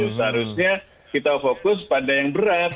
seharusnya kita fokus pada yang berat